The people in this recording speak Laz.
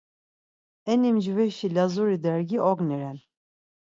Eni mcveşi Lazuri dergi Ogni ren.